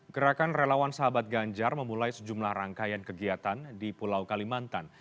gerakan relawan sahabat ganjar memulai sejumlah rangkaian kegiatan di pulau kalimantan